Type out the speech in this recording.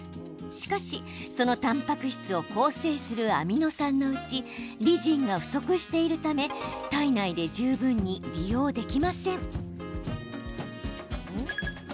しかし、そのたんぱく質を構成するアミノ酸のうちリジンが不足しているため体内で十分に利用できない状態になっています。